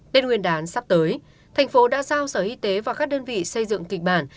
tết nguyên đán sắp tới thành phố đã giao sở y tế và các đơn vị xây dựng kịch bản